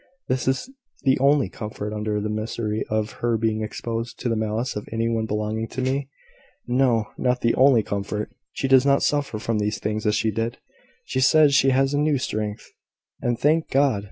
This is the only comfort under the misery of her being exposed to the malice of any one belonging to me. No; not the only comfort. She does not suffer from these things as she did. She says she has a new strength; and, thank God!